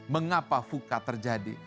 mengapa fuka terjadi